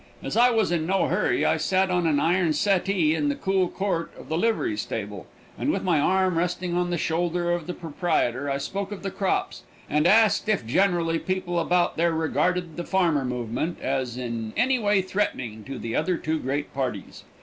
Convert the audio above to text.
As I was in no hurry I sat on an iron settee in the cool court of the livery stable, and with my arm resting on the shoulder of the proprietor I spoke of the crops and asked if generally people about there regarded the farmer movement as in any way threatening to the other two great parties.